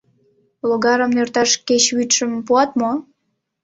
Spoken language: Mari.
Логарым нӧрташ кеч вӱдшым пуат мо?..